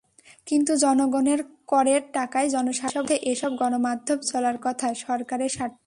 কিন্তু জনগণের করের টাকায় জনস্বার্থে এসব গণমাধ্যম চলার কথা, সরকারের স্বার্থে নয়।